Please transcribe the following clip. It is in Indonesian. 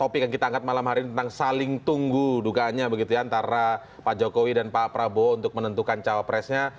paling tunggu dukanya antara pak jokowi dan pak prabowo untuk menentukan cawapresnya